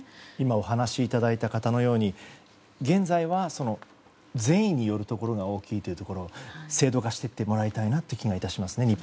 今、お話しいただいた方のように現在は善意によるところが大きいところを制度化していってもらいたいなという気がしますね。